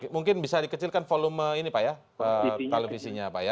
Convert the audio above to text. mungkin bisa dikecilkan volume ini pak ya televisinya pak ya